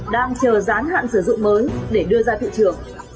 đang chờ gián hạn sử dụng mới để đưa ra thị trường